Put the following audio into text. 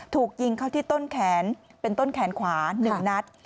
ถูกยิงเข้าที่ต้นแขนเป็นต้นแขนขวา๑นัด